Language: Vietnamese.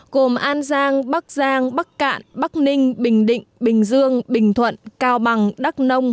gồm an giang bắc giang bắc cạn bắc ninh bình định bình dương bình thuận cao bằng đắk nông